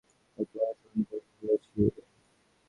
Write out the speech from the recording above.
তার ফলে চিঠিখানা সারা পৃথিবী তাকে অনুসরণ করে ঘুরেছে।